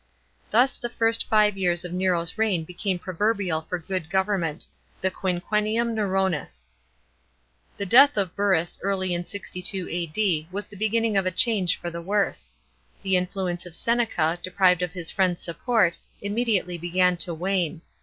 Thus the first five years of Nero's reign became proverbial for good government — the quinquennium Neronis The death of Burrus early in 62 A.D. was the beginning of a change for the worse. The influence of Seneca, deprived of his friend's support, immediately began to wane.